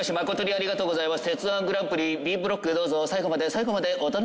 ありがとうございます。